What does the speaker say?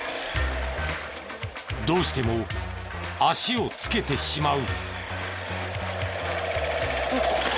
どうしても足をつけてしまう。